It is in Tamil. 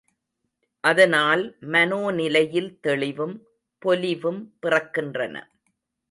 அதனால் மனோநிலையில் தெளிவும், பொலிவும் பிறக்கின்றன.